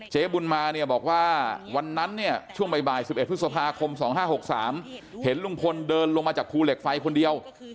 บุญมาเนี่ยบอกว่าวันนั้นเนี่ยช่วงบ่าย๑๑พฤษภาคม๒๕๖๓เห็นลุงพลเดินลงมาจากภูเหล็กไฟคนเดียว